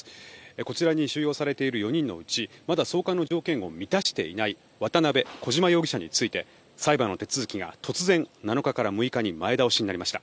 こちらに収容されている４人のうちまだ送還の条件を満たしていない渡邉、小島容疑者について裁判の手続きが突然、７日から６日に前倒しになりました。